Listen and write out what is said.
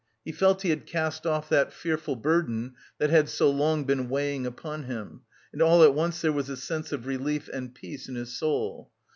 He felt he had cast off that fearful burden that had so long been weighing upon him, and all at once there was a sense of relief and peace in his soul.